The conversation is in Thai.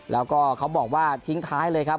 แล้วก็เขาบอกว่าทิ้งท้ายเลยครับ